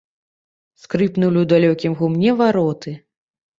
Скрыпнулі ў далёкім гумне вароты.